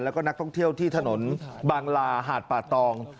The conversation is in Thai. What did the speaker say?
แล้วก็นักท่องเที่ยวที่ถนนบางลาหาดป่าตอง